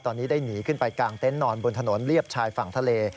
ตอนนี้ได้หนีขึ้นไปกลางเต็นต์นอนบนถนนเรียบชายฝั่งทะเล